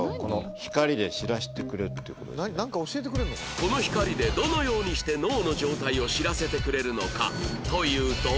この光でどのようにして脳の状態を知らせてくれるのかというと